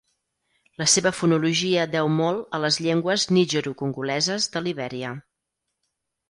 La seva fonologia deu molt a les llengües nigerocongoleses de Libèria.